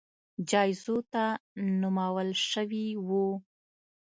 جایزو ته نومول شوي وو